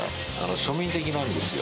庶民的なんですよ。